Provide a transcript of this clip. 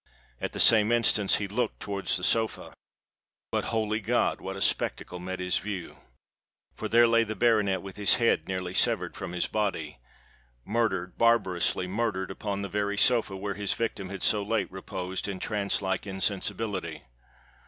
At the same instant he looked towards the sofa:—but, holy God! what a spectacle met his view! For there lay the baronet with his head nearly severed from his body,—murdered—barbarously murdered upon the very sofa where his victim had so lately reposed in trance like insensibility.